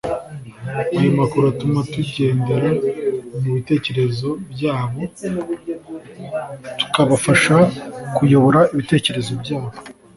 ayo makuru atuma tugendera ku bitekerezo byabo tukabafasha kuyobora ibitekerezo byabo